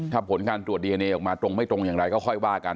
ถ้าผลการตรวจดีเอนเอออกมาตรงไม่ตรงอย่างไรก็ค่อยว่ากัน